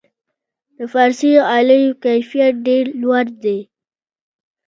د فارسي غالیو کیفیت ډیر لوړ دی.